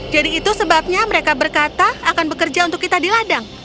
jadi itu sebabnya mereka berkata akan bekerja untuk kita di ladang